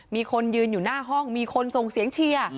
มีคนยืนอยู่หน้าห้องมีคนส่งเสียงเชียร์